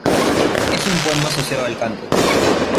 Es un poema asociado al canto.